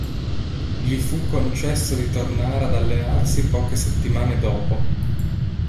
Gli fu concesso di tornare ad allenarsi poche settimane dopo.